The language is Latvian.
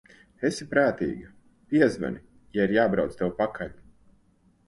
Esi prātīga, piezvani, ja ir jābrauc tev pakaļ.